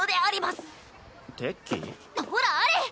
ほらあれ！